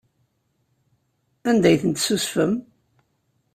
Anda ay ten-tessusfem?